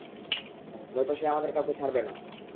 নয়তো সে আমাদের কাউকে ছাড়বে না।